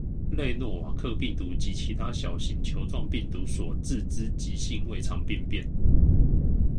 類諾瓦克病毒及其他小型球型病毒所致之急性胃腸病變